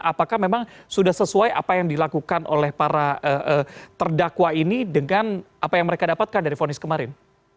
apakah memang sudah sesuai apa yang dilakukan oleh para terdakwa ini dengan apa yang mereka dapatkan dari fonis kemarin